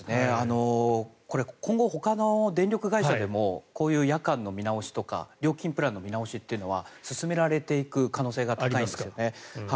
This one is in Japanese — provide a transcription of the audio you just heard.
これ、今後ほかの電力会社でもこういう夜間の見直しとか料金プランの見直しは進められていく可能性が高いんですよね。